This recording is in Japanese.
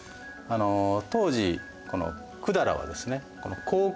当時この百済はですね